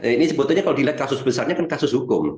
ini sebetulnya kalau dilihat kasus besarnya kan kasus hukum